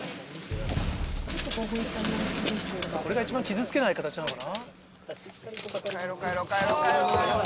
これが一番傷つけない形なのかな。